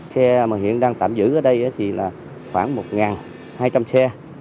xe mà hiện đang tạm giữ ở đây thì là khoảng một hai trăm linh xe